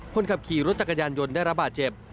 คนขับขี่รถจักรยานยนต์ได้ระบาดเจ็บ